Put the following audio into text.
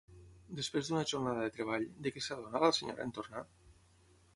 Després d'una jornada de treball, de què s'adonà la senyora en tornar?